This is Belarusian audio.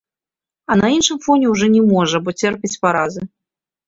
А на іншым фоне ўжо не можа, бо церпіць паразы.